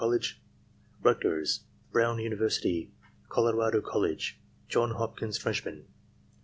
Coll Rutgers Brown University Colorado College Johns Hopkins, Freshmen..